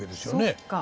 そっか。